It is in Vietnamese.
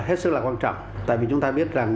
hết sức là quan trọng tại vì chúng ta biết rằng